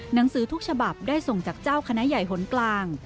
หนังสือทุกฉบับได้ส่งจากเจ้าคณะใหญ่หนกลาง